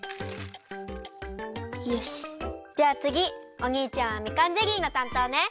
おにいちゃんはみかんゼリーのたんとうね！